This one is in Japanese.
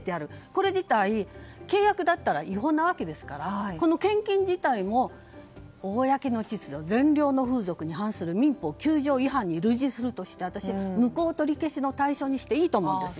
これ自体、契約だったら違法なわけですから献金自体も公の秩序、善良の風俗に反する民法９条に類似するとして私は無効取り消しの対象にしていいと思うんです。